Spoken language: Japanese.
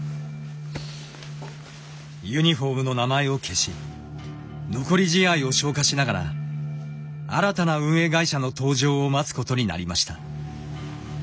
ユニホームの名前を消し残り試合を消化しながら新たな運営会社の登場を待つことになりました。